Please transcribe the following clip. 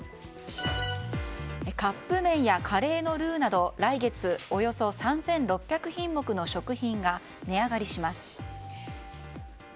カップ麺やカレーのルーなど来月、およそ３６００品目の食品が値上がりします。